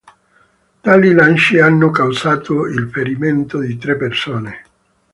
Tali lanci hanno causato il ferimento di tre persone.